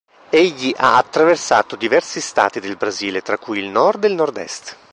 Egli ha attraversato diversi stati del Brasile, tra cui il nord e nord-est.